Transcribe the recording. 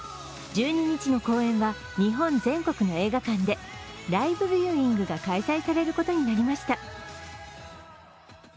１２日の公演は日本全国の映画館でライブビューイングを開催されることになりました。